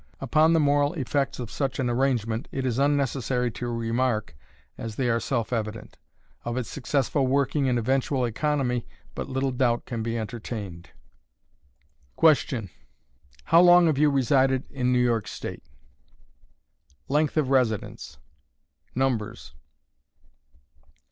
Upon the moral effects of such an arrangement it is unnecessary to remark, as they are self evident; of its successful working and eventual economy but little doubt can be entertained. Question. HOW LONG HAVE YOU RESIDED IN NEW YORK STATE? Length of Residence. Numbers.